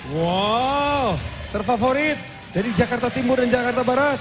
wow terfavorit dari jakarta timur dan jakarta barat